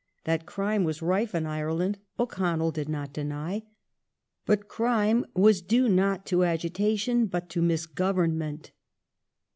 That crime was rife in Ireland O'Connell did not deny ; but crime was due not to agitation but to misgovernment.